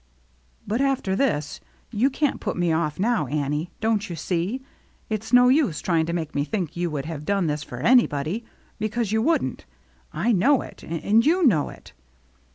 " But after this — you can't put me ofF now, Annie. Don't you see? It's no use trying to make me think you would have done this for anybody, because you wouldn't. I know it, and you know it."